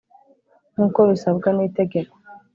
Nkuko bisabwa n itegeko